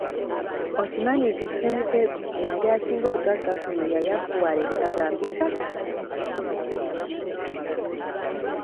Okimanyi nti Ssemitego eyali asinga obugagga kuno yayavuwala ebitagambika?